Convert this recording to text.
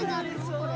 これ。